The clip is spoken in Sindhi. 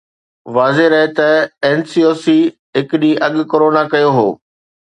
واضح رهي ته اين سي او سي هڪ ڏينهن اڳ ڪورونا ڪيو هو